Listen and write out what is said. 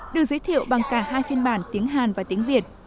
được giới thiệu bằng cả hai phiên bản tiếng hàn và tiếng việt